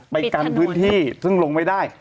ไปกันพื้นที่ซึ่งลงไม่ได้